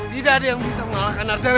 tidak ada yang bisa mengalahkan arda reva